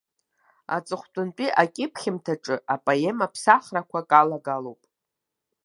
Аҵыхәтәантәи акьыԥхьымҭаҿы апоема ԥсахрақәак алагалоуп.